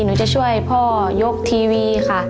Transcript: หนูจะช่วยพ่อยกทีวีค่ะ